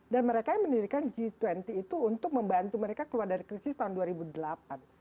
dan mereka yang mendirikan g dua puluh itu untuk membantu mereka keluar dari krisis tahun dua ribu delapan